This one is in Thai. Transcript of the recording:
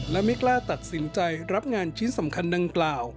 และไม่กล้าตัดสินใจรับงานชิ้นสำคัญดังกล่าว